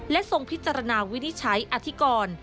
ทรงพิจารณาวินิจฉัยอธิกร